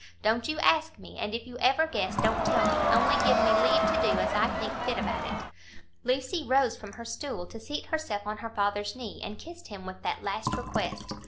Don't you ask me. And if you ever guess, don't tell me. Only give me leave to do as I think fit about it." Lucy rose from her stool to seat herself on her father's knee, and kissed him with that last request.